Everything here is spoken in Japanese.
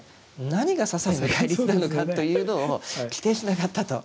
何がささいな戒律なのかというのを規定しなかったと。